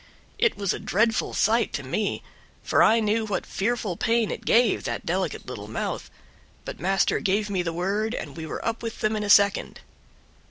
It was a dreadful sight to me, for I knew what fearful pain it gave that delicate little mouth; but master gave me the word, and we were up with him in a second.